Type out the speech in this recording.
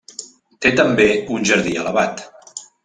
Té també un jardí elevat.